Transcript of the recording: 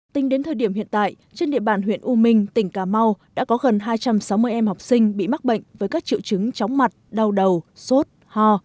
tính đến thời điểm hiện tại trên địa bàn huyện u minh tỉnh cà mau đã có gần hai trăm sáu mươi em học sinh bị mắc bệnh với các triệu chứng chóng mặt đau đầu sốt hò